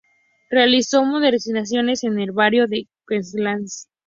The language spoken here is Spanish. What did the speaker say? Realizó modernizaciones en el herbario de Queensland.